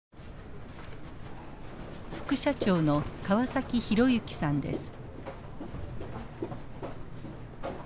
副社長の川崎浩之さんです。